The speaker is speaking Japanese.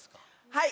はい！